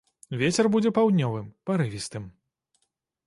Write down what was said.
Вецер будзе паўднёвым, парывістым.